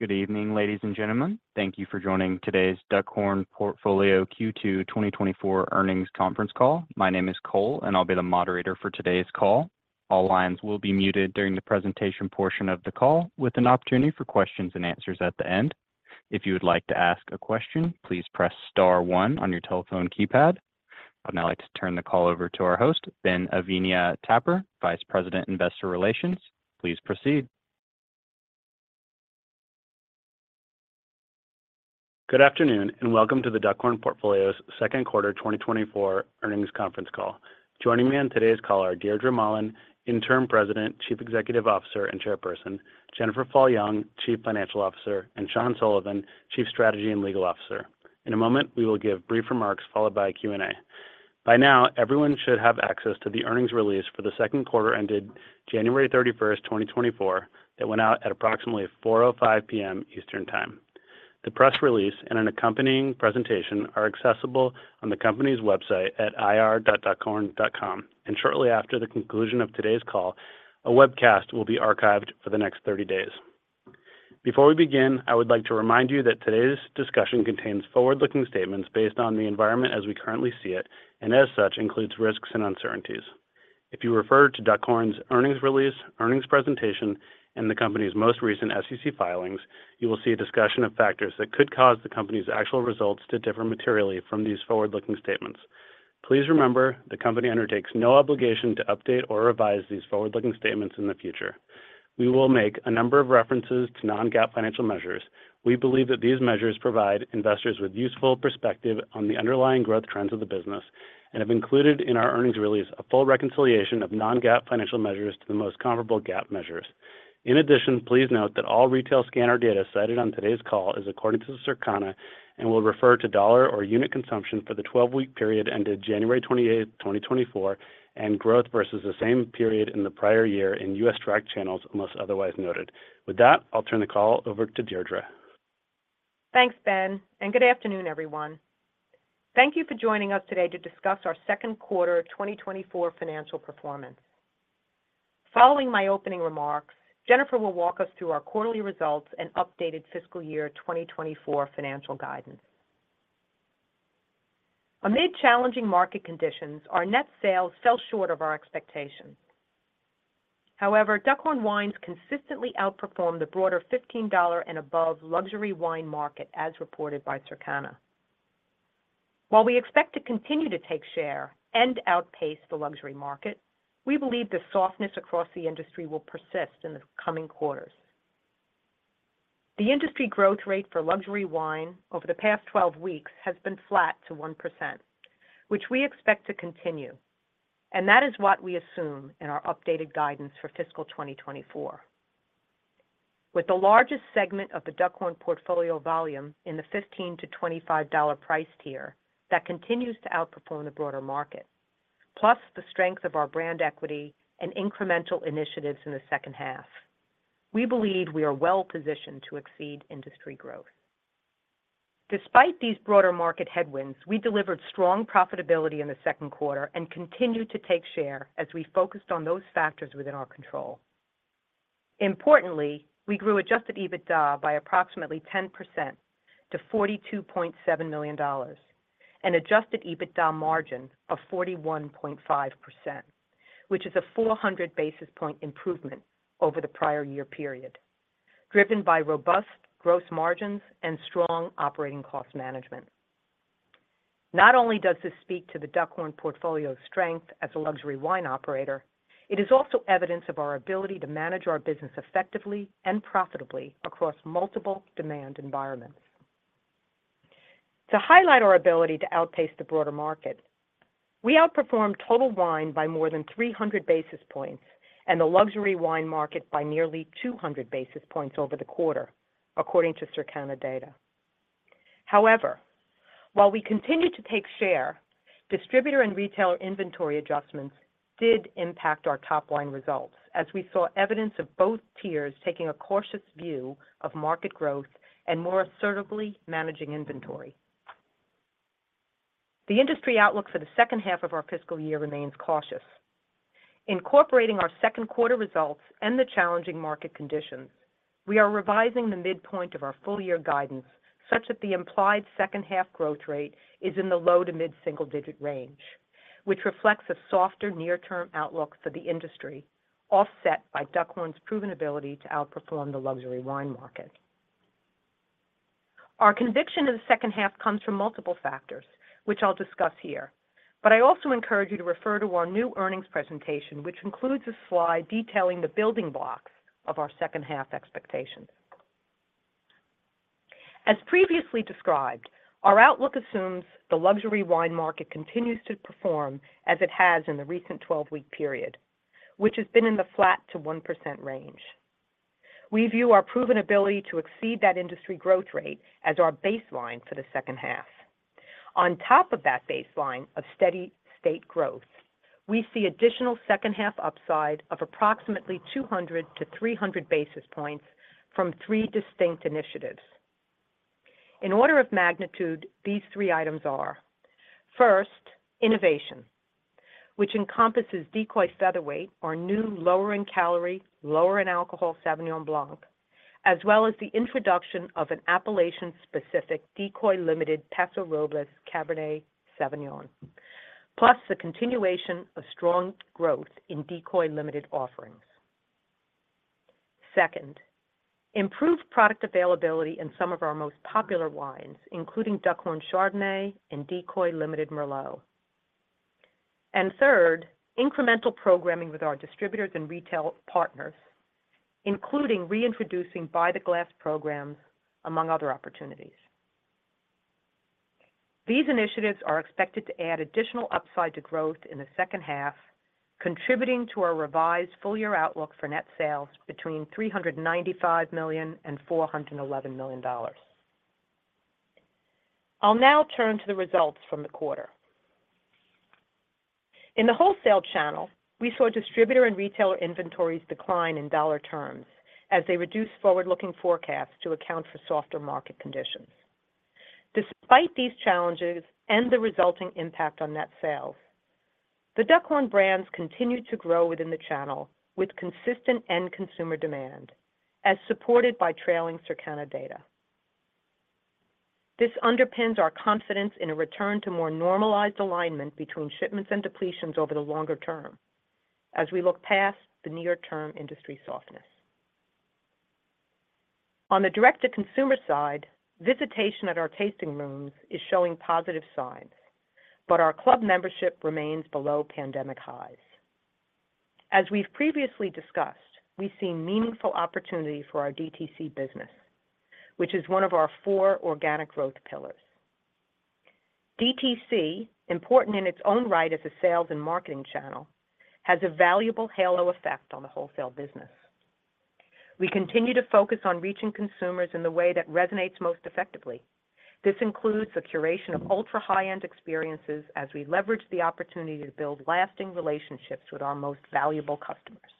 Good evening, ladies and gentlemen. Thank you for joining today's Duckhorn Portfolio Q2 2024 Earnings Conference Call. My name is Cole, and I'll be the moderator for today's call. All lines will be muted during the presentation portion of the call, with an opportunity for questions and answers at the end. If you would like to ask a question, please press star one on your telephone keypad. I'd now like to turn the call over to our host, Ben Avenia-Tapper, Vice President, Investor Relations. Please proceed. Good afternoon and welcome to the Duckhorn Portfolio's second quarter 2024 earnings conference call. Joining me on today's call are Deirdre Mahlan, Interim President, Chief Executive Officer and Chairperson, Jennifer Fall Jung, Chief Financial Officer, and Sean Sullivan, Chief Strategy and Legal Officer. In a moment, we will give brief remarks followed by Q&A. By now, everyone should have access to the earnings release for the second quarter ended January 31, 2024, that went out at approximately 4:05 P.M. Eastern Time. The press release and an accompanying presentation are accessible on the company's website at ir.duckhorn.com, and shortly after the conclusion of today's call, a webcast will be archived for the next 30 days. Before we begin, I would like to remind you that today's discussion contains forward-looking statements based on the environment as we currently see it and, as such, includes risks and uncertainties. If you refer to Duckhorn's earnings release, earnings presentation, and the company's most recent SEC filings, you will see a discussion of factors that could cause the company's actual results to differ materially from these forward-looking statements. Please remember, the company undertakes no obligation to update or revise these forward-looking statements in the future. We will make a number of references to non-GAAP financial measures. We believe that these measures provide investors with useful perspective on the underlying growth trends of the business and have included in our earnings release a full reconciliation of non-GAAP financial measures to the most comparable GAAP measures. In addition, please note that all retail scanner data cited on today's call is according to Circana and will refer to dollar or unit consumption for the 12-week period ended January 28, 2024, and growth versus the same period in the prior year in U.S. tracked channels unless otherwise noted. With that, I'll turn the call over to Deirdre. Thanks, Ben, and good afternoon, everyone. Thank you for joining us today to discuss our second quarter 2024 financial performance. Following my opening remarks, Jennifer will walk us through our quarterly results and updated fiscal year 2024 financial guidance. Amid challenging market conditions, our net sales fell short of our expectations. However, Duckhorn wines consistently outperformed the broader $15-and-above luxury wine market, as reported by Circana. While we expect to continue to take share and outpace the luxury market, we believe the softness across the industry will persist in the coming quarters. The industry growth rate for luxury wine over the past 12 weeks has been flat to 1%, which we expect to continue, and that is what we assume in our updated guidance for fiscal 2024, with the largest segment of the Duckhorn Portfolio volume in the $15-$25 price tier that continues to outperform the broader market, plus the strength of our brand equity and incremental initiatives in the second half. We believe we are well positioned to exceed industry growth. Despite these broader market headwinds, we delivered strong profitability in the second quarter and continue to take share as we focused on those factors within our control. Importantly, we grew Adjusted EBITDA by approximately 10% to $42.7 million and Adjusted EBITDA margin of 41.5%, which is a 400 basis points improvement over the prior year period, driven by robust gross margins and strong operating cost management. Not only does this speak to the Duckhorn Portfolio's strength as a luxury wine operator, it is also evidence of our ability to manage our business effectively and profitably across multiple demand environments. To highlight our ability to outpace the broader market, we outperformed total wine by more than 300 basis points and the luxury wine market by nearly 200 basis points over the quarter, according to Circana data. However, while we continue to take share, distributor and retailer inventory adjustments did impact our top-line results, as we saw evidence of both tiers taking a cautious view of market growth and more assertively managing inventory. The industry outlook for the second half of our fiscal year remains cautious. Incorporating our second quarter results and the challenging market conditions, we are revising the midpoint of our full-year guidance such that the implied second-half growth rate is in the low to mid-single-digit range, which reflects a softer near-term outlook for the industry, offset by Duckhorn's proven ability to outperform the luxury wine market. Our conviction in the second half comes from multiple factors, which I'll discuss here, but I also encourage you to refer to our new earnings presentation, which includes a slide detailing the building blocks of our second-half expectations. As previously described, our outlook assumes the luxury wine market continues to perform as it has in the recent 12-week period, which has been in the flat to 1% range. We view our proven ability to exceed that industry growth rate as our baseline for the second half. On top of that baseline of steady state growth, we see additional second-half upside of approximately 200-300 basis points from three distinct initiatives. In order of magnitude, these three items are: first, innovation, which encompasses Decoy Featherweight, our new lower-in-calorie, lower-in-alcohol Sauvignon Blanc, as well as the introduction of an appellation-specific Decoy Limited Paso Robles Cabernet Sauvignon, plus the continuation of strong growth in Decoy Limited offerings. Second, improved product availability in some of our most popular wines, including Duckhorn Chardonnay and Decoy Limited Merlot. And third, incremental programming with our distributors and retail partners, including reintroducing by-the-glass programs, among other opportunities. These initiatives are expected to add additional upside to growth in the second half, contributing to our revised full-year outlook for net sales between $395 million-$411 million. I'll now turn to the results from the quarter. In the wholesale channel, we saw distributor and retailer inventories decline in dollar terms as they reduced forward-looking forecasts to account for softer market conditions. Despite these challenges and the resulting impact on net sales, the Duckhorn brands continue to grow within the channel with consistent end-consumer demand, as supported by trailing Circana data. This underpins our confidence in a return to more normalized alignment between shipments and depletions over the longer term, as we look past the near-term industry softness. On the direct-to-consumer side, visitation at our tasting rooms is showing positive signs, but our club membership remains below pandemic highs. As we've previously discussed, we've seen meaningful opportunity for our DTC business, which is one of our four organic growth pillars. DTC, important in its own right as a sales and marketing channel, has a valuable halo effect on the wholesale business. We continue to focus on reaching consumers in the way that resonates most effectively. This includes the curation of ultra-high-end experiences as we leverage the opportunity to build lasting relationships with our most valuable customers.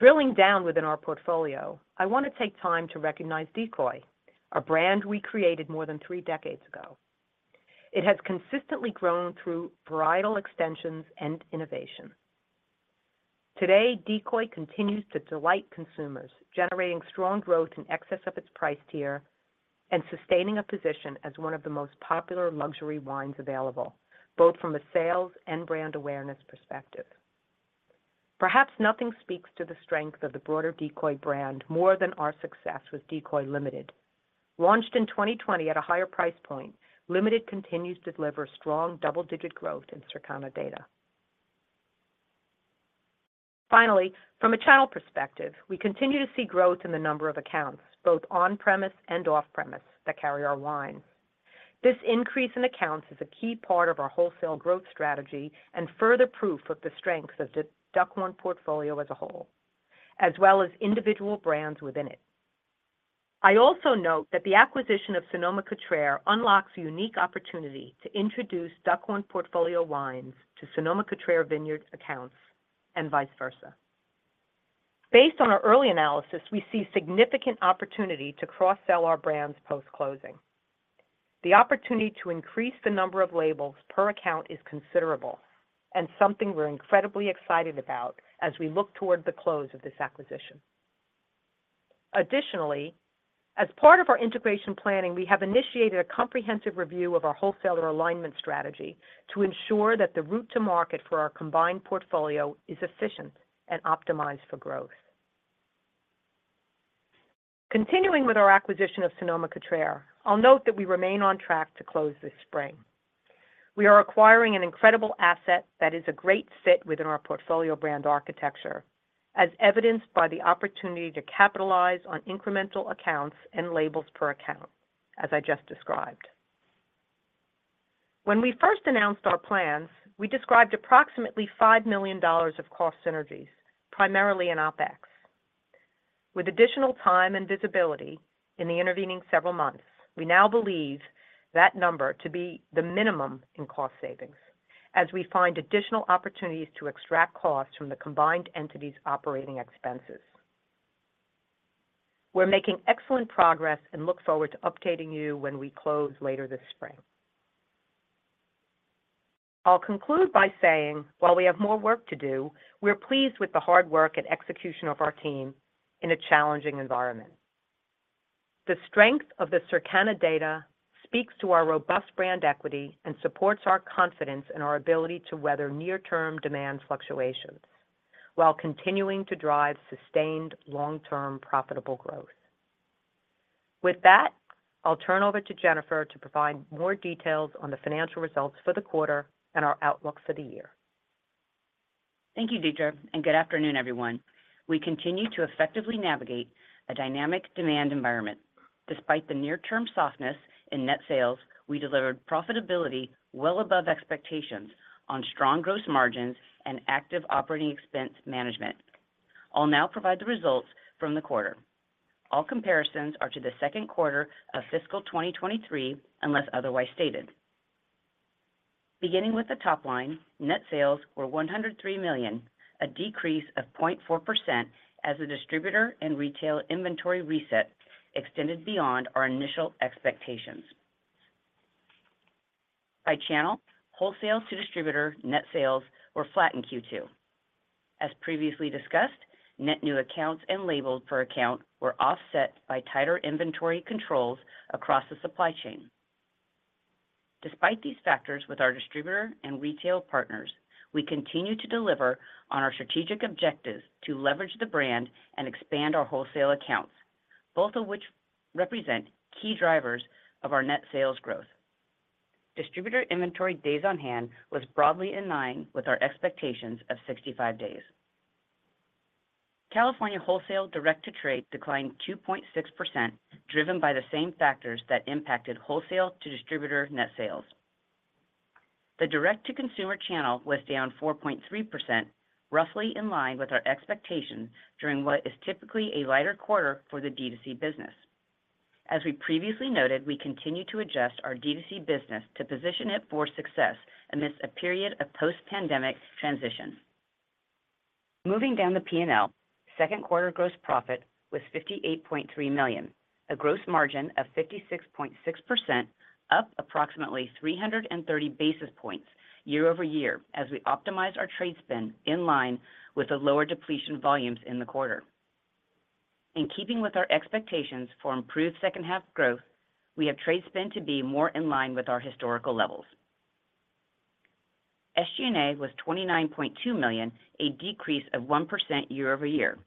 Drilling down within our portfolio, I want to take time to recognize Decoy, a brand we created more than three decades ago. It has consistently grown through varietal extensions and innovation. Today, Decoy continues to delight consumers, generating strong growth in excess of its price tier and sustaining a position as one of the most popular luxury wines available, both from a sales and brand awareness perspective. Perhaps nothing speaks to the strength of the broader Decoy brand more than our success with Decoy Limited. Launched in 2020 at a higher price point, Limited continues to deliver strong double-digit growth in Circana data. Finally, from a channel perspective, we continue to see growth in the number of accounts, both on-premise and off-premise, that carry our wines. This increase in accounts is a key part of our wholesale growth strategy and further proof of the strengths of the Duckhorn Portfolio as a whole, as well as individual brands within it. I also note that the acquisition of Sonoma-Cutrer unlocks a unique opportunity to introduce Duckhorn Portfolio wines to Sonoma-Cutrer vineyard accounts and vice versa. Based on our early analysis, we see significant opportunity to cross-sell our brands post-closing. The opportunity to increase the number of labels per account is considerable and something we're incredibly excited about as we look toward the close of this acquisition. Additionally, as part of our integration planning, we have initiated a comprehensive review of our wholesaler alignment strategy to ensure that the route to market for our combined portfolio is efficient and optimized for growth. Continuing with our acquisition of Sonoma-Cutrer, I'll note that we remain on track to close this spring. We are acquiring an incredible asset that is a great fit within our portfolio brand architecture, as evidenced by the opportunity to capitalize on incremental accounts and labels per account, as I just described. When we first announced our plans, we described approximately $5 million of cost synergies, primarily in OpEx. With additional time and visibility in the intervening several months, we now believe that number to be the minimum in cost savings, as we find additional opportunities to extract costs from the combined entity's operating expenses. We're making excellent progress and look forward to updating you when we close later this spring. I'll conclude by saying, while we have more work to do, we're pleased with the hard work and execution of our team in a challenging environment. The strength of the Circana data speaks to our robust brand equity and supports our confidence in our ability to weather near-term demand fluctuations while continuing to drive sustained long-term profitable growth. With that, I'll turn over to Jennifer to provide more details on the financial results for the quarter and our outlook for the year. Thank you, Deirdre, and good afternoon, everyone. We continue to effectively navigate a dynamic demand environment. Despite the near-term softness in net sales, we delivered profitability well above expectations on strong gross margins and active operating expense management. I'll now provide the results from the quarter. All comparisons are to the second quarter of fiscal 2023 unless otherwise stated. Beginning with the top line, net sales were $103 million, a decrease of 0.4% as the distributor and retail inventory reset extended beyond our initial expectations. By channel, wholesale to distributor net sales were flat in Q2. As previously discussed, net new accounts and labels per account were offset by tighter inventory controls across the supply chain. Despite these factors with our distributor and retail partners, we continue to deliver on our strategic objectives to leverage the brand and expand our wholesale accounts, both of which represent key drivers of our net sales growth. Distributor inventory days on hand was broadly in line with our expectations of 65 days. California wholesale direct-to-trade declined 2.6%, driven by the same factors that impacted wholesale to distributor net sales. The direct-to-consumer channel was down 4.3%, roughly in line with our expectations during what is typically a lighter quarter for the DTC business. As we previously noted, we continue to adjust our DTC business to position it for success amidst a period of post-pandemic transition. Moving down the P&L, second quarter gross profit was $58.3 million, a gross margin of 56.6%, up approximately 330 basis points year-over-year as we optimize our trade spend in line with the lower depletion volumes in the quarter. In keeping with our expectations for improved second-half growth, we have trade spend to be more in line with our historical levels. SG&A was $29.2 million, a decrease of 1% year-over-year.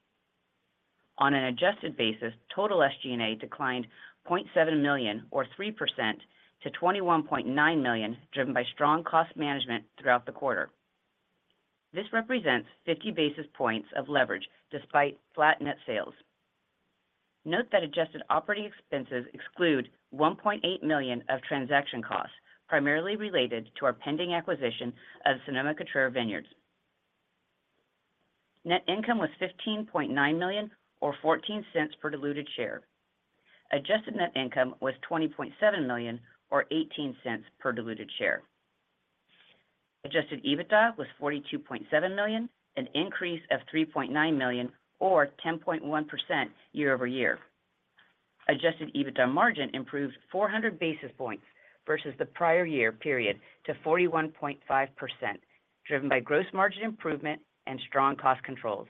On an adjusted basis, total SG&A declined $0.7 million, or 3%, to $21.9 million, driven by strong cost management throughout the quarter. This represents 50 basis points of leverage despite flat net sales. Note that adjusted operating expenses exclude $1.8 million of transaction costs, primarily related to our pending acquisition of Sonoma-Cutrer vineyards. Net income was $15.9 million, or $0.14 per diluted share. Adjusted net income was $20.7 million, or $0.18 per diluted share. Adjusted EBITDA was $42.7 million, an increase of $3.9 million, or 10.1% year-over-year. Adjusted EBITDA margin improved 400 basis points versus the prior year period to 41.5%, driven by gross margin improvement and strong cost controls.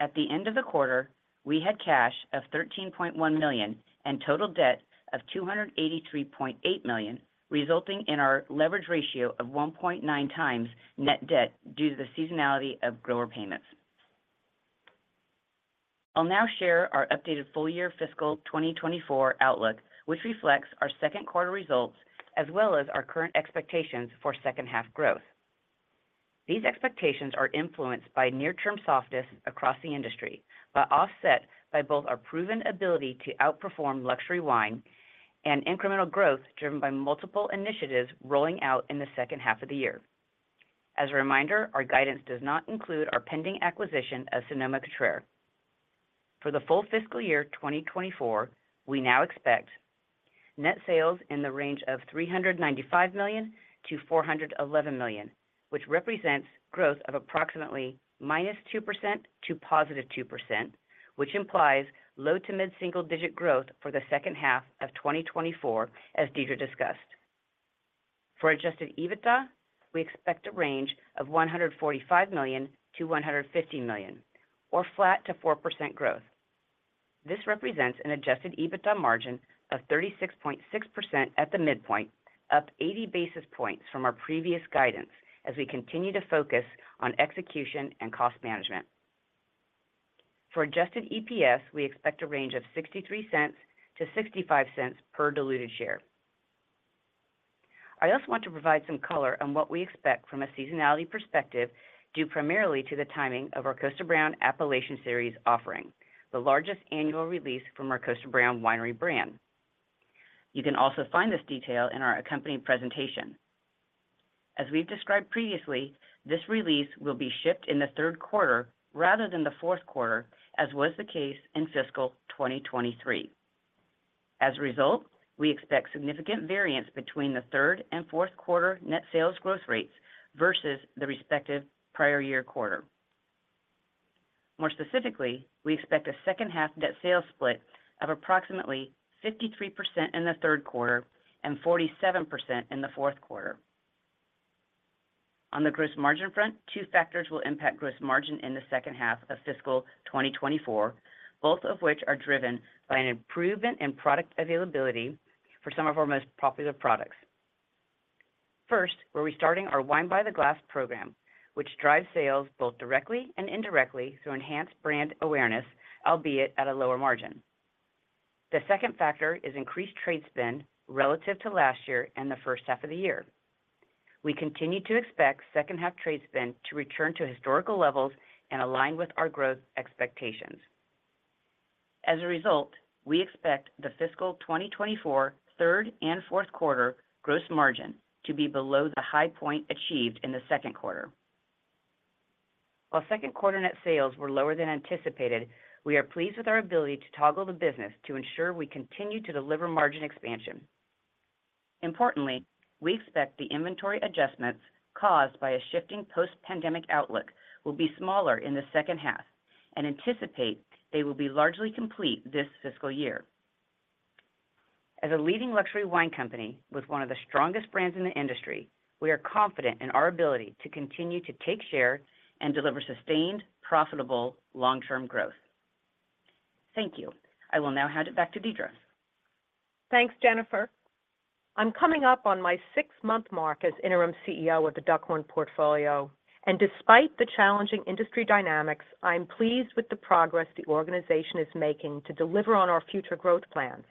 At the end of the quarter, we had cash of $13.1 million and total debt of $283.8 million, resulting in our leverage ratio of 1.9x net debt due to the seasonality of grower payments. I'll now share our updated full-year fiscal 2024 outlook, which reflects our second quarter results as well as our current expectations for second-half growth. These expectations are influenced by near-term softness across the industry but offset by both our proven ability to outperform luxury wine and incremental growth driven by multiple initiatives rolling out in the second half of the year. As a reminder, our guidance does not include our pending acquisition of Sonoma-Cutrer. For the full fiscal year 2024, we now expect net sales in the range of $395 million-$411 million, which represents growth of approximately -2% to +2%, which implies low to mid-single-digit growth for the second half of 2024, as Deirdre discussed. For adjusted EBITDA, we expect a range of $145 million-$150 million, or flat to 4% growth. This represents an adjusted EBITDA margin of 36.6% at the midpoint, up 80 basis points from our previous guidance as we continue to focus on execution and cost management. For adjusted EPS, we expect a range of $0.63-$0.65 per diluted share. I also want to provide some color on what we expect from a seasonality perspective due primarily to the timing of our Kosta Browne Appellation Series offering, the largest annual release from our Kosta Browne winery brand. You can also find this detail in our accompanying presentation. As we've described previously, this release will be shipped in the third quarter rather than the fourth quarter, as was the case in fiscal 2023. As a result, we expect significant variance between the third and fourth quarter net sales growth rates versus the respective prior year quarter. More specifically, we expect a second-half net sales split of approximately 53% in the third quarter and 47% in the fourth quarter. On the gross margin front, two factors will impact gross margin in the second half of fiscal 2024, both of which are driven by an improvement in product availability for some of our most popular products. First, we're restarting our Wine by the Glass program, which drives sales both directly and indirectly through enhanced brand awareness, albeit at a lower margin. The second factor is increased trade spend relative to last year and the first half of the year. We continue to expect second-half trade spend to return to historical levels and align with our growth expectations. As a result, we expect the fiscal 2024 third and fourth quarter gross margin to be below the high point achieved in the second quarter. While second quarter net sales were lower than anticipated, we are pleased with our ability to toggle the business to ensure we continue to deliver margin expansion. Importantly, we expect the inventory adjustments caused by a shifting post-pandemic outlook will be smaller in the second half and anticipate they will be largely complete this fiscal year. As a leading luxury wine company with one of the strongest brands in the industry, we are confident in our ability to continue to take share and deliver sustained, profitable long-term growth. Thank you. I will now hand it back to Deirdre. Thanks, Jennifer. I'm coming up on my six-month mark as Interim CEO of the Duckhorn Portfolio, and despite the challenging industry dynamics, I'm pleased with the progress the organization is making to deliver on our future growth plans,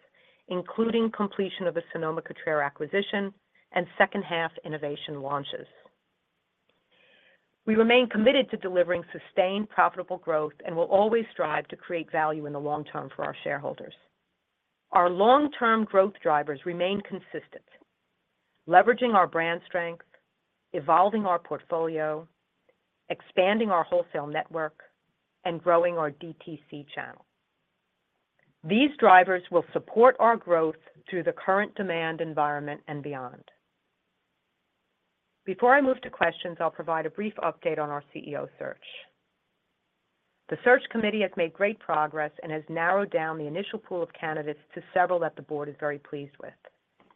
including completion of the Sonoma-Cutrer acquisition and second-half innovation launches. We remain committed to delivering sustained, profitable growth and will always strive to create value in the long term for our shareholders. Our long-term growth drivers remain consistent: leveraging our brand strength, evolving our portfolio, expanding our wholesale network, and growing our DTC channel. These drivers will support our growth through the current demand environment and beyond. Before I move to questions, I'll provide a brief update on our CEO search. The search committee has made great progress and has narrowed down the initial pool of candidates to several that the board is very pleased with,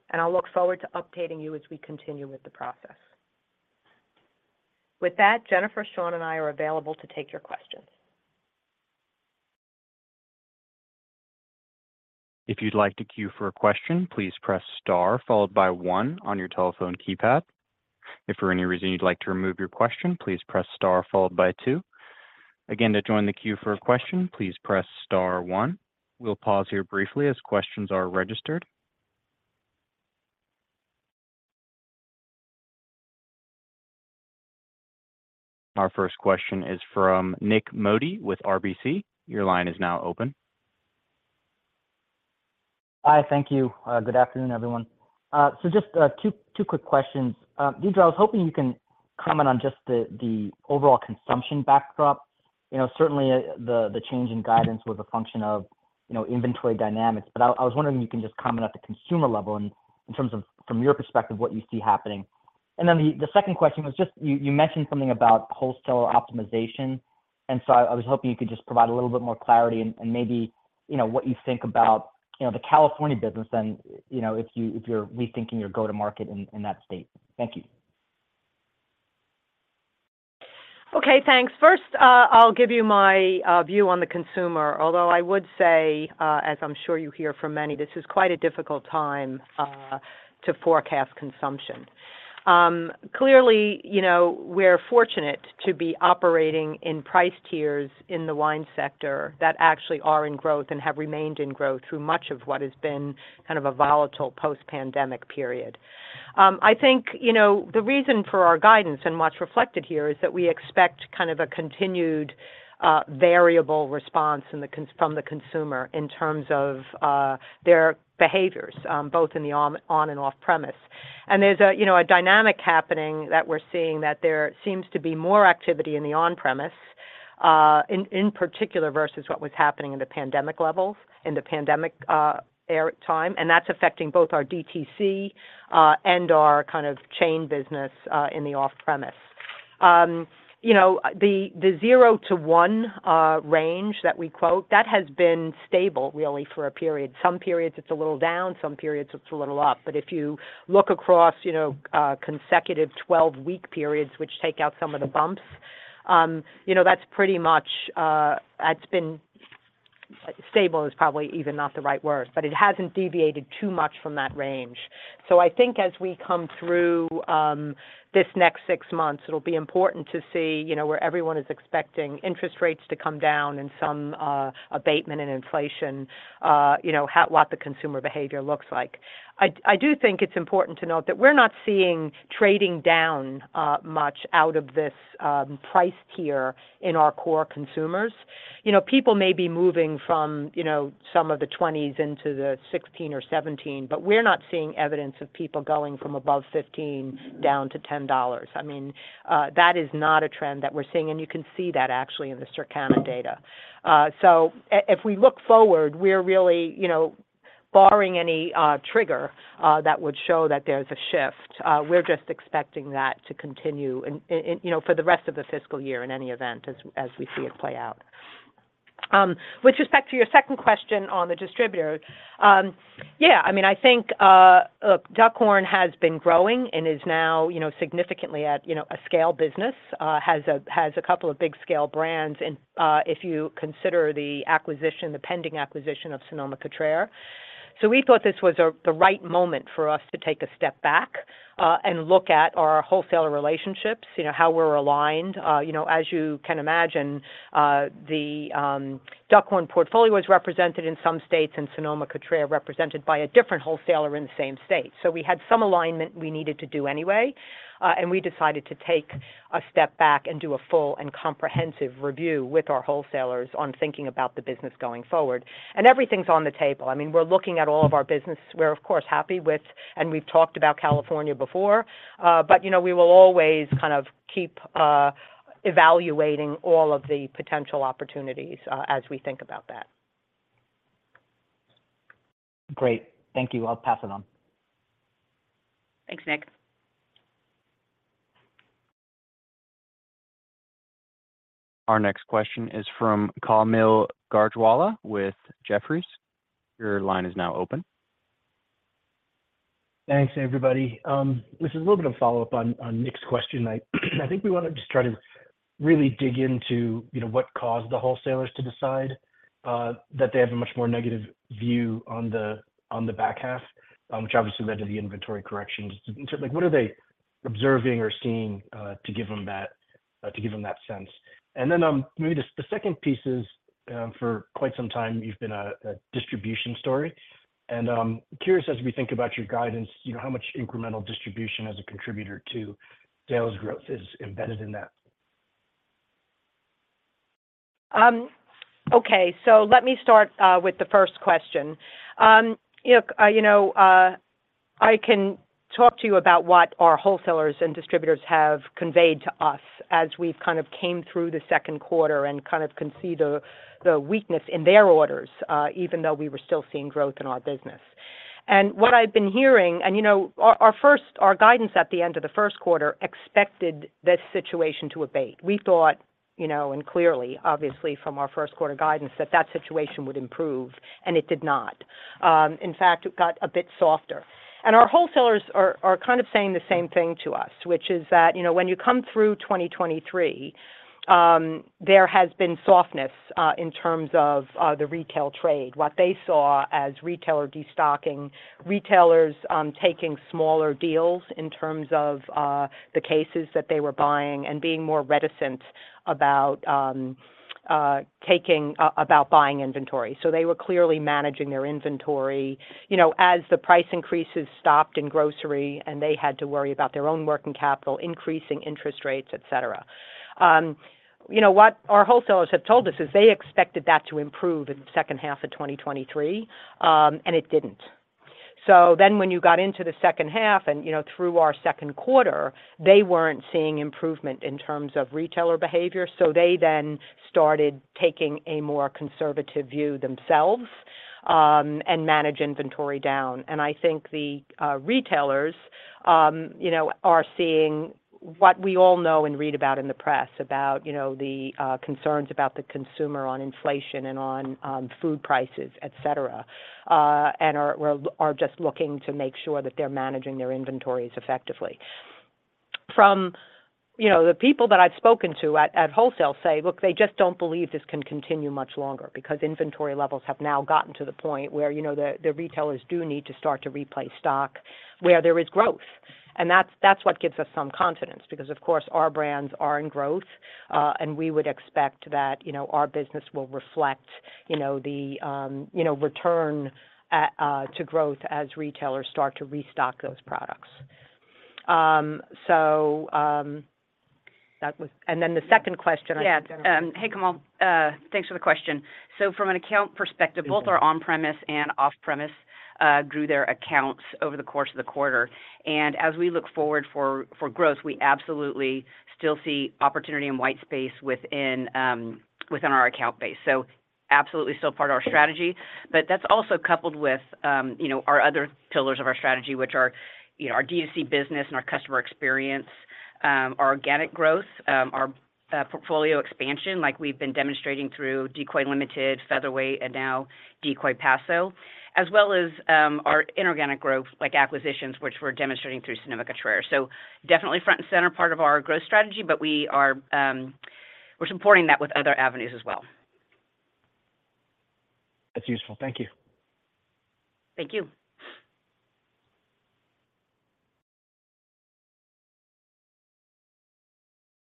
and I'll look forward to updating you as we continue with the process. With that, Jennifer, Sean, and I are available to take your questions. If you'd like to queue for a question, please press star followed by one on your telephone keypad. If for any reason you'd like to remove your question, please press star followed by two. Again, to join the queue for a question, please press star one. We'll pause here briefly as questions are registered. Our first question is from Nik Modi with RBC. Your line is now open. Hi, thank you. Good afternoon, everyone. So just two quick questions. Deirdre, I was hoping you can comment on just the overall consumption backdrop. Certainly, the change in guidance was a function of inventory dynamics, but I was wondering if you can just comment at the consumer level in terms of, from your perspective, what you see happening. And then the second question was just you mentioned something about wholesaler optimization, and so I was hoping you could just provide a little bit more clarity and maybe what you think about the California business and if you're rethinking your go-to-market in that state. Thank you. Okay, thanks. First, I'll give you my view on the consumer, although I would say, as I'm sure you hear from many, this is quite a difficult time to forecast consumption. Clearly, we're fortunate to be operating in price tiers in the wine sector that actually are in growth and have remained in growth through much of what has been kind of a volatile post-pandemic period. I think the reason for our guidance and what's reflected here is that we expect kind of a continued variable response from the consumer in terms of their behaviors, both in the on and off-premise. There's a dynamic happening that we're seeing that there seems to be more activity in the on-premise, in particular versus what was happening in the pandemic levels, in the pandemic time, and that's affecting both our DTC and our kind of chain business in the off-premise. The zero to one range that we quote, that has been stable, really, for a period. Some periods it's a little down, some periods it's a little up. But if you look across consecutive 12-week periods, which take out some of the bumps, that's pretty much it's been stable is probably even not the right word, but it hasn't deviated too much from that range. So I think as we come through this next six months, it'll be important to see where everyone is expecting interest rates to come down and some abatement in inflation, what the consumer behavior looks like. I do think it's important to note that we're not seeing trading down much out of this price tier in our core consumers. People may be moving from some of the 20s into the 16 or 17, but we're not seeing evidence of people going from above 15 down to $10. I mean, that is not a trend that we're seeing, and you can see that actually in the Circana data. So if we look forward, we're really barring any trigger that would show that there's a shift. We're just expecting that to continue for the rest of the fiscal year in any event as we see it play out. With respect to your second question on the distributor, yeah, I mean, I think Duckhorn has been growing and is now significantly at a scale business, has a couple of big-scale brands if you consider the pending acquisition of Sonoma-Cutrer. We thought this was the right moment for us to take a step back and look at our wholesaler relationships, how we're aligned. As you can imagine, the Duckhorn Portfolio was represented in some states and Sonoma-Cutrer represented by a different wholesaler in the same state. We had some alignment we needed to do anyway, and we decided to take a step back and do a full and comprehensive review with our wholesalers on thinking about the business going forward. Everything's on the table. I mean, we're looking at all of our business. We're, of course, happy with and we've talked about California before, but we will always kind of keep evaluating all of the potential opportunities as we think about that. Great. Thank you. I'll pass it on. Thanks, Nik. Our next question is from Kaumil Gajrawala with Jefferies. Your line is now open. Thanks, everybody. This is a little bit of follow-up on Nick's question. I think we want to just try to really dig into what caused the wholesalers to decide that they have a much more negative view on the back half, which obviously led to the inventory corrections. What are they observing or seeing to give them that sense? And then maybe the second piece is for quite some time, you've been a distribution story. And curious, as we think about your guidance, how much incremental distribution as a contributor to sales growth is embedded in that? Okay, so let me start with the first question. I can talk to you about what our wholesalers and distributors have conveyed to us as we've kind of came through the second quarter and kind of can see the weakness in their orders, even though we were still seeing growth in our business. And what I've been hearing and our guidance at the end of the first quarter expected this situation to abate. We thought, and clearly, obviously, from our first quarter guidance, that that situation would improve, and it did not. In fact, it got a bit softer. Our wholesalers are kind of saying the same thing to us, which is that when you come through 2023, there has been softness in terms of the retail trade, what they saw as retailer destocking, retailers taking smaller deals in terms of the cases that they were buying, and being more reticent about buying inventory. So they were clearly managing their inventory as the price increases stopped in grocery and they had to worry about their own working capital, increasing interest rates, etc. What our wholesalers have told us is they expected that to improve in the second half of 2023, and it didn't. So then when you got into the second half and through our second quarter, they weren't seeing improvement in terms of retailer behavior. So they then started taking a more conservative view themselves and manage inventory down. I think the retailers are seeing what we all know and read about in the press about the concerns about the consumer on inflation and on food prices, etc., and are just looking to make sure that they're managing their inventories effectively. From the people that I've spoken to at wholesale say, "Look, they just don't believe this can continue much longer because inventory levels have now gotten to the point where the retailers do need to start to replenish stock where there is growth." And that's what gives us some confidence because, of course, our brands are in growth, and we would expect that our business will reflect the return to growth as retailers start to restock those products. So that was, and then the second question, I think, Jennifer. Yeah. Hey, Kaumil. Thanks for the question. So from an account perspective, both our on-premise and off-premise grew their accounts over the course of the quarter. And as we look forward for growth, we absolutely still see opportunity and white space within our account base. So absolutely still part of our strategy. But that's also coupled with our other pillars of our strategy, which are our DTC business and our customer experience, our organic growth, our portfolio expansion like we've been demonstrating through Decoy Limited, Featherweight, and now Decoy Paso Robles, as well as our inorganic growth like acquisitions, which we're demonstrating through Sonoma-Cutrer. So definitely front and center part of our growth strategy, but we're supporting that with other avenues as well. That's useful. Thank you. Thank you.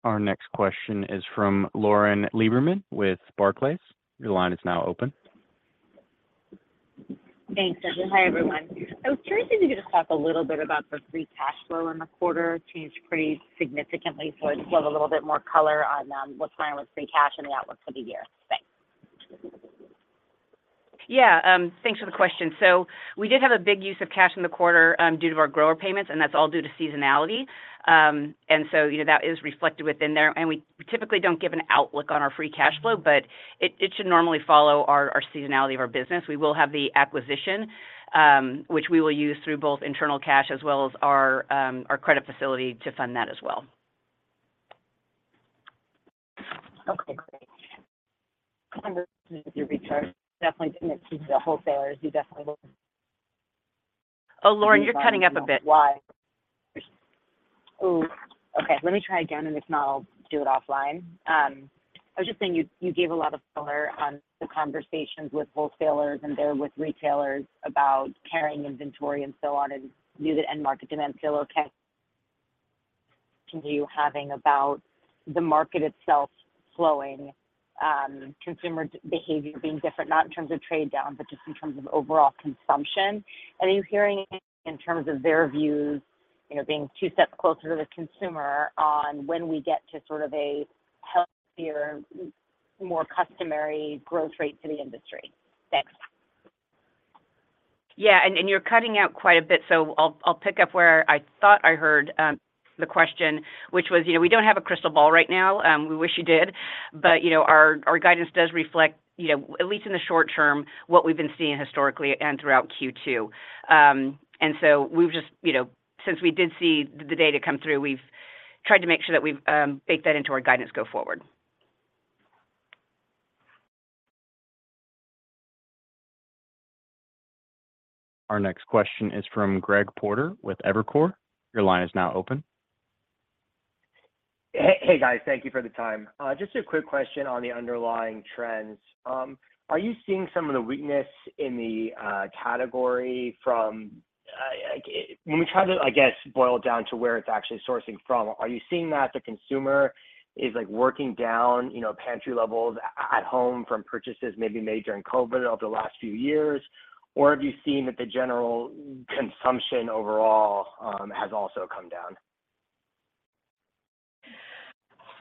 Our next question is from Lauren Lieberman with Barclays. Your line is now open. Thanks, Jennifer. Hi, everyone. I was curious if you could just talk a little bit about the free cash flow in the quarter. It changed pretty significantly, so I just love a little bit more color on what's going on with free cash and the outlook for the year. Thanks. Yeah. Thanks for the question. So we did have a big use of cash in the quarter due to our grower payments, and that's all due to seasonality. And so that is reflected within there. And we typically don't give an outlook on our free cash flow, but it should normally follow our seasonality of our business. We will have the acquisition, which we will use through both internal cash as well as our credit facility to fund that as well. Okay, great. This is your return. Definitely didn't exceed the wholesalers. You definitely will. Oh, Lauren, you're cutting up a bit. Why? Oh, okay. Let me try again, and if not, I'll do it offline. I was just saying you gave a lot of color on the conversations with wholesalers and there with retailers about carrying inventory and so on and knew that end-market demand still okay. Continue having about the market itself flowing, consumer behavior being different, not in terms of trade down, but just in terms of overall consumption. And are you hearing in terms of their views being two steps closer to the consumer on when we get to sort of a healthier, more customary growth rate to the industry? Thanks. Yeah, and you're cutting out quite a bit, so I'll pick up where I thought I heard the question, which was we don't have a crystal ball right now. We wish you did, but our guidance does reflect, at least in the short term, what we've been seeing historically and throughout Q2. And so we've just since we did see the data come through, we've tried to make sure that we've baked that into our guidance go forward. Our next question is from Greg Porter with Evercore. Your line is now open. Hey, guys. Thank you for the time. Just a quick question on the underlying trends. Are you seeing some of the weakness in the category from when we try to, I guess, boil it down to where it's actually sourcing from? Are you seeing that the consumer is working down pantry levels at home from purchases maybe made during COVID over the last few years, or have you seen that the general consumption overall has also come down?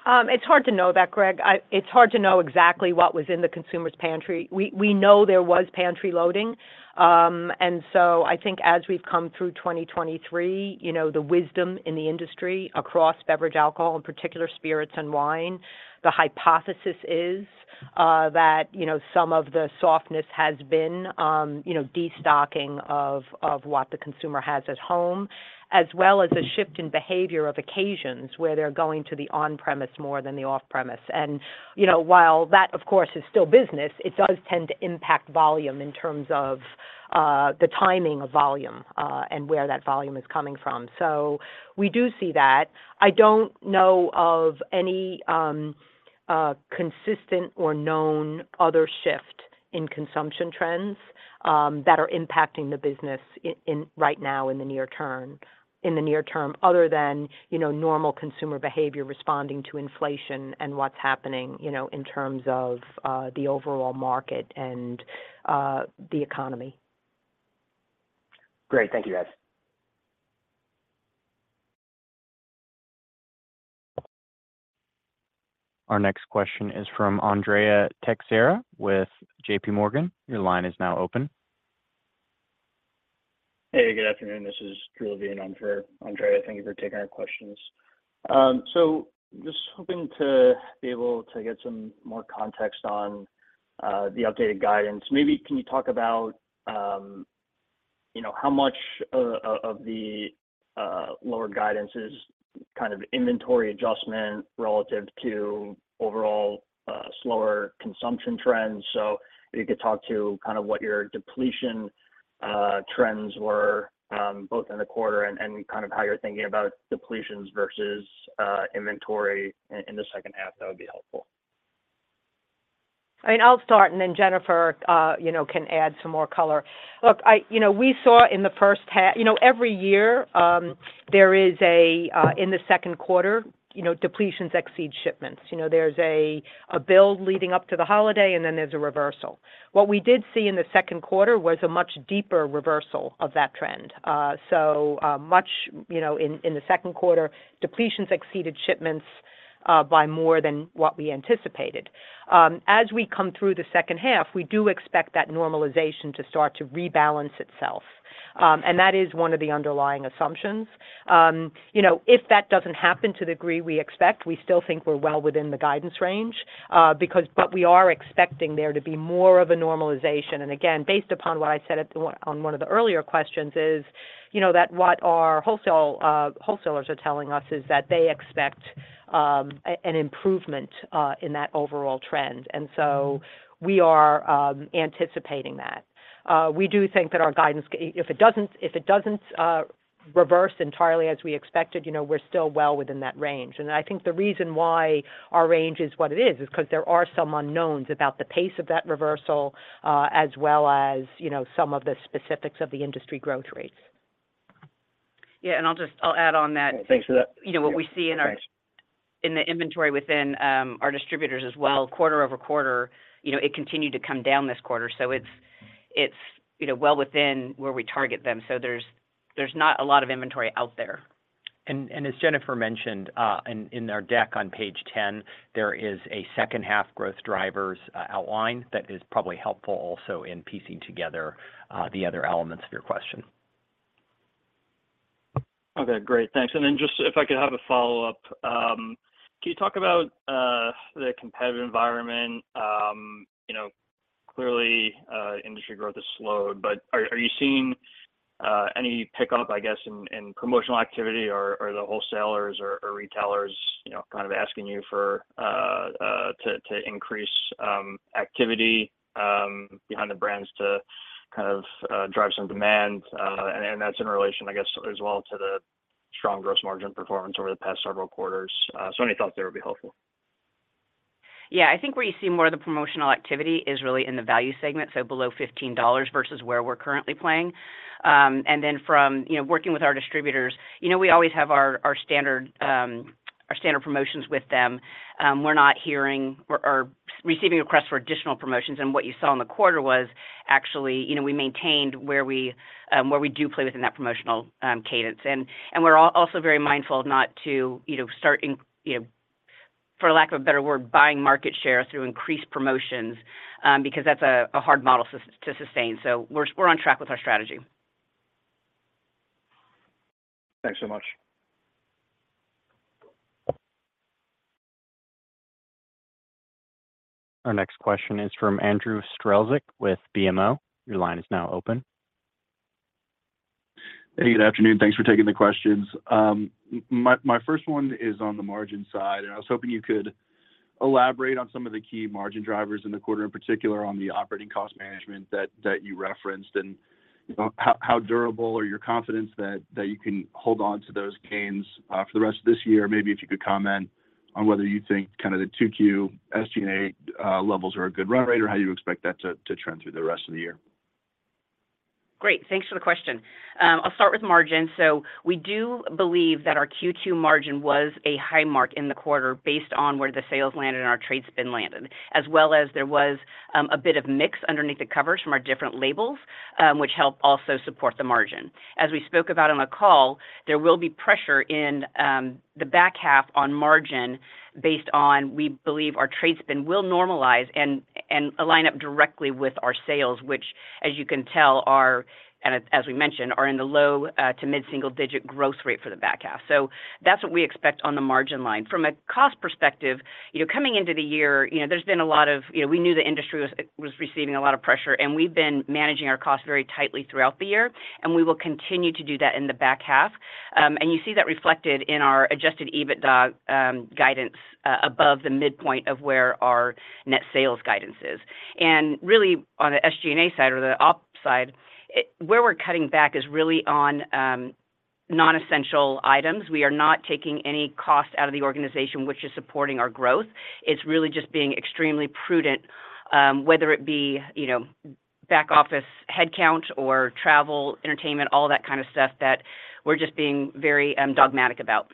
It's hard to know that, Greg. It's hard to know exactly what was in the consumer's pantry. We know there was pantry loading. And so I think as we've come through 2023, the wisdom in the industry across beverage alcohol, in particular spirits and wine, the hypothesis is that some of the softness has been destocking of what the consumer has at home, as well as a shift in behavior of occasions where they're going to the on-premise more than the off-premise. And while that, of course, is still business, it does tend to impact volume in terms of the timing of volume and where that volume is coming from. So we do see that. I don't know of any consistent or known other shift in consumption trends that are impacting the business right now in the near term other than normal consumer behavior responding to inflation and what's happening in terms of the overall market and the economy. Great. Thank you, guys. Our next question is from Andrea Teixeira with JP Morgan. Your line is now open. Hey, good afternoon. This is Drew Levine. I'm for Andrea. Thank you for taking our questions. So just hoping to be able to get some more context on the updated guidance. Maybe can you talk about how much of the lower guidance is kind of inventory adjustment relative to overall slower consumption trends? So if you could talk to kind of what your depletion trends were both in the quarter and kind of how you're thinking about depletions versus inventory in the second half, that would be helpful. I mean, I'll start, and then Jennifer can add some more color. Look, we saw in the first half every year, there is a in the second quarter, depletions exceed shipments. There's a build leading up to the holiday, and then there's a reversal. What we did see in the second quarter was a much deeper reversal of that trend. So much in the second quarter, depletions exceeded shipments by more than what we anticipated. As we come through the second half, we do expect that normalization to start to rebalance itself. And that is one of the underlying assumptions. If that doesn't happen to the degree we expect, we still think we're well within the guidance range, but we are expecting there to be more of a normalization. Again, based upon what I said on one of the earlier questions, what our wholesalers are telling us is that they expect an improvement in that overall trend. So we are anticipating that. We do think that our guidance, if it doesn't reverse entirely as we expected, we're still well within that range. And I think the reason why our range is what it is is because there are some unknowns about the pace of that reversal as well as some of the specifics of the industry growth rates. Yeah, and I'll add on that. What we see in the inventory within our distributors as well, quarter-over-quarter, it continued to come down this quarter. So it's well within where we target them. So there's not a lot of inventory out there. As Jennifer mentioned, in our deck on page 10, there is a second-half growth drivers outline that is probably helpful also in piecing together the other elements of your question. Okay, great. Thanks. And then just if I could have a follow-up, can you talk about the competitive environment? Clearly, industry growth has slowed, but are you seeing any pickup, I guess, in promotional activity, or are the wholesalers or retailers kind of asking you to increase activity behind the brands to kind of drive some demand? And that's in relation, I guess, as well to the strong gross margin performance over the past several quarters. So any thoughts there would be helpful. Yeah, I think where you see more of the promotional activity is really in the value segment, so below $15 versus where we're currently playing. And then from working with our distributors, we always have our standard promotions with them. We're not hearing or receiving requests for additional promotions. And what you saw in the quarter was actually we maintained where we do play within that promotional cadence. And we're also very mindful not to start, for lack of a better word, buying market share through increased promotions because that's a hard model to sustain. So we're on track with our strategy. Thanks so much. Our next question is from Andrew Strelzik with BMO. Your line is now open. Hey, good afternoon. Thanks for taking the questions. My first one is on the margin side, and I was hoping you could elaborate on some of the key margin drivers in the quarter, in particular on the operating cost management that you referenced and how durable or your confidence that you can hold on to those gains for the rest of this year. Maybe if you could comment on whether you think kind of the 2Q SG&A levels are a good run rate or how you expect that to trend through the rest of the year. Great. Thanks for the question. I'll start with margins. So we do believe that our Q2 margin was a high mark in the quarter based on where the sales landed and our trade spend landed, as well as there was a bit of mix underneath the covers from our different labels, which helped also support the margin. As we spoke about on the call, there will be pressure in the back half on margin based on we believe our trade spend will normalize and align up directly with our sales, which, as you can tell, are and as we mentioned, are in the low- to mid-single-digit growth rate for the back half. So that's what we expect on the margin line. From a cost perspective, coming into the year, there's been a lot of we knew the industry was receiving a lot of pressure, and we've been managing our costs very tightly throughout the year. We will continue to do that in the back half. You see that reflected in our Adjusted EBITDA guidance above the midpoint of where our net sales guidance is. Really, on the SG&A side or the ops side, where we're cutting back is really on non-essential items. We are not taking any cost out of the organization, which is supporting our growth. It's really just being extremely prudent, whether it be back-office headcount or travel, entertainment, all that kind of stuff that we're just being very dogmatic about.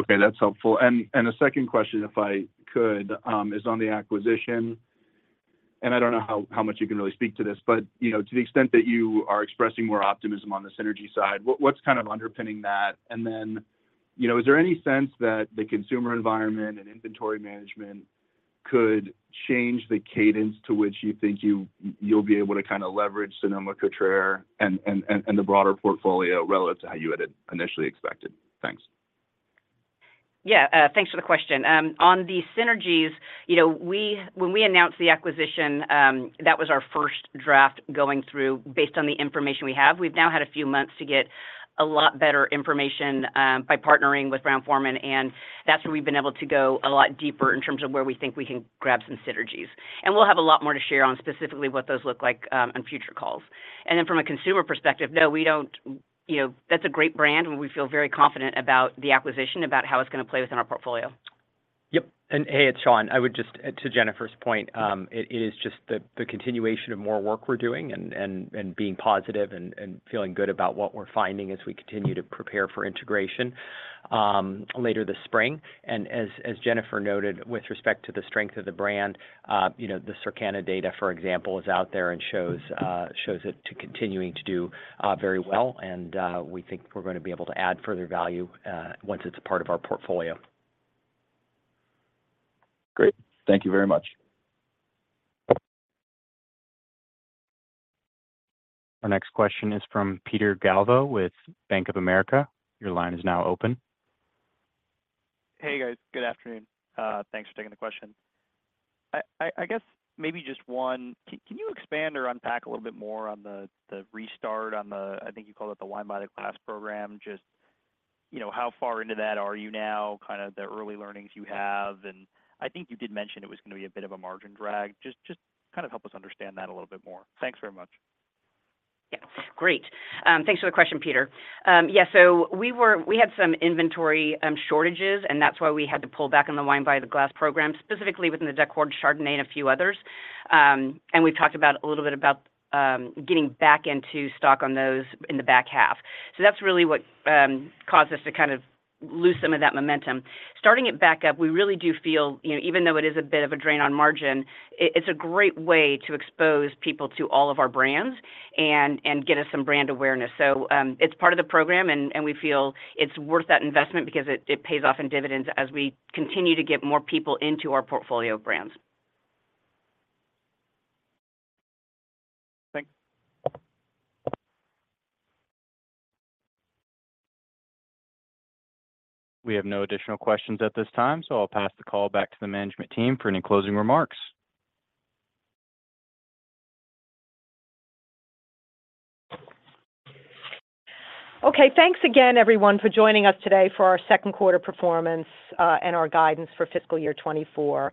Okay, that's helpful. And a second question, if I could, is on the acquisition. And I don't know how much you can really speak to this, but to the extent that you are expressing more optimism on the synergy side, what's kind of underpinning that? And then is there any sense that the consumer environment and inventory management could change the cadence to which you think you'll be able to kind of leverage Sonoma-Cutrer and the broader portfolio relative to how you had initially expected? Thanks. Yeah, thanks for the question. On the synergies, when we announced the acquisition, that was our first draft going through based on the information we have. We've now had a few months to get a lot better information by partnering with Brown-Forman, and that's where we've been able to go a lot deeper in terms of where we think we can grab some synergies. And we'll have a lot more to share on specifically what those look like on future calls. And then from a consumer perspective, no, we don't that's a great brand, and we feel very confident about the acquisition, about how it's going to play within our portfolio. Yep. Hey, it's Sean. I would just, to Jennifer's point, it is just the continuation of more work we're doing and being positive and feeling good about what we're finding as we continue to prepare for integration later this spring. And as Jennifer noted, with respect to the strength of the brand, the Circana data, for example, is out there and shows it to continuing to do very well. And we think we're going to be able to add further value once it's a part of our portfolio. Great. Thank you very much. Our next question is from Peter Galbo with Bank of America. Your line is now open. Hey, guys. Good afternoon. Thanks for taking the question. I guess maybe just one, can you expand or unpack a little bit more on the restart on the—I think you called it—the Wine by the Glass program. Just how far into that are you now, kind of the early learnings you have? And I think you did mention it was going to be a bit of a margin drag. Just kind of help us understand that a little bit more. Thanks very much. Yeah, great. Thanks for the question, Peter. Yeah, so we had some inventory shortages, and that's why we had to pull back on the Wine by the Glass program, specifically within the Duckhorn Chardonnay and a few others. And we've talked a little bit about getting back into stock on those in the back half. So that's really what caused us to kind of lose some of that momentum. Starting it back up, we really do feel, even though it is a bit of a drain on margin, it's a great way to expose people to all of our brands and get us some brand awareness. So it's part of the program, and we feel it's worth that investment because it pays off in dividends as we continue to get more people into our portfolio of brands. Thanks. We have no additional questions at this time, so I'll pass the call back to the management team for any closing remarks. Okay, thanks again, everyone, for joining us today for our second quarter performance and our guidance for fiscal year 2024.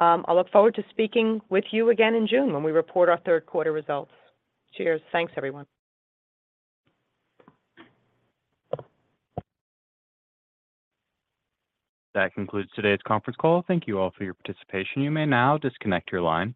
I'll look forward to speaking with you again in June when we report our third quarter results. Cheers. Thanks, everyone. That concludes today's conference call. Thank you all for your participation. You may now disconnect your line.